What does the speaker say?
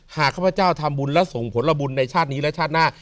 ข้าพเจ้าทำบุญและส่งผลบุญในชาตินี้และชาติหน้า